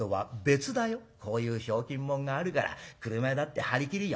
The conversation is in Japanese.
こういうひょうきん者があるから車屋だって張り切るよ。